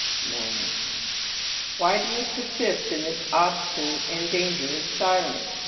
No answer. "Why do you persist in this obstinate and dangerous silence?